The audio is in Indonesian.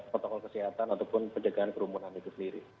protokol kesehatan ataupun penjagaan kerumunan itu sendiri